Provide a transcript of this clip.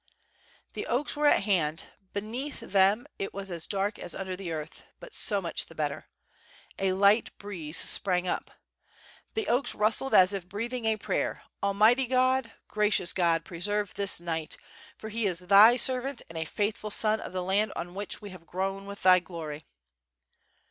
The oaks were at hand, beneath them it was as dark as under the earth; but so much the better. A light breeze sprang up. The oaks rustled as if breathing a prayer, "Al mighty God! Gracious God! preserve this knight! for he is Thy servant and a faithful son of the land on which we have grown with Thy glory.''